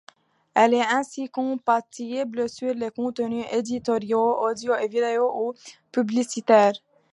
Elle est ainsi compatible sur les contenus éditoriaux, audio et vidéo ou publicitaires.